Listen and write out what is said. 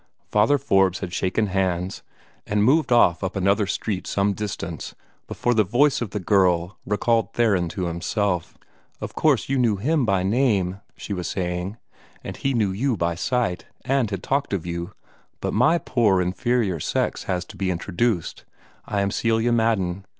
Father Forbes had shaken hands, and moved off up another street some distance, before the voice of the girl recalled Theron to himself. "Of course you knew HIM by name," she was saying, "and he knew you by sight, and had talked of you; but MY poor inferior sex has to be introduced. I am Celia Madden.